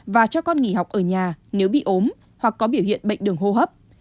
và cho con nghỉ học ở nhà nếu bị ốm hoặc có biểu hiện bệnh đường hô hấp